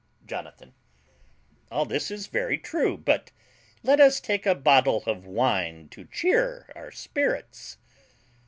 JONATHAN. All this is very true; but let us take a bottle of wine to cheer our spirits.